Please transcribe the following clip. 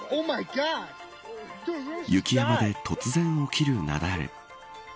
雪山で突然起きる雪崩。